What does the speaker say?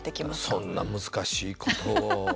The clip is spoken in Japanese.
そんな難しいことを。